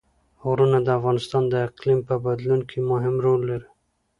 غرونه د افغانستان د اقلیم په بدلون کې مهم رول لري.